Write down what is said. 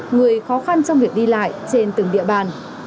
người khó khăn trong việc đi lại trên từng địa bàn